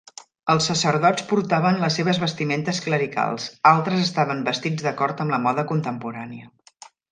Els sacerdots portaven les seves vestiments clericals, altres estaven vestits d'acord amb la moda contemporània.